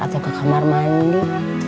atau ke kamar mandi